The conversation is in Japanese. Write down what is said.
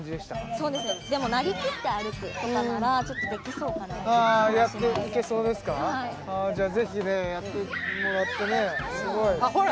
そうですねでもなりきって歩くとかならちょっとできそうかなって気がやっていけそうですかはいじゃあぜひねやってもらってねほら！